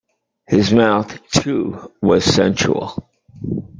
His mouth, too, was sensual.